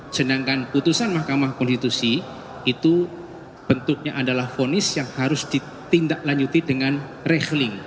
sedangkan putusan mahkamah konstitusi itu bentuknya adalah fonis yang harus ditindaklanjuti dengan rahling